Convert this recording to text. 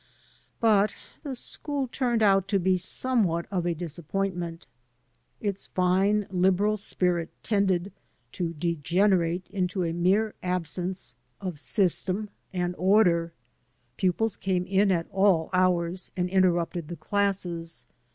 But the school turned out to be somewhat of a disappointment. Its fine liberal spirit tended to degenerate into a mere absence of 174 THE TRIALS OF SCHOLARSHIP system and order. Pupils came in at all hours an^ interrupted the classes.